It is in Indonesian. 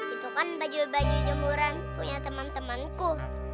itu kan baju baju nyemuran punya teman temanku